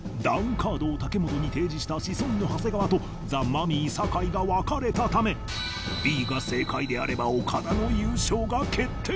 カードを武元に提示したシソンヌ長谷川とザ・マミィ酒井が分かれたためＢが正解であれば岡田の優勝が決定